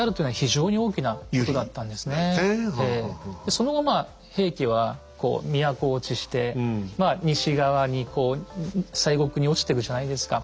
その後まあ平家は都落ちしてまあ西側に西国に落ちてくじゃないですか。